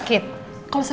tidak ada apa apa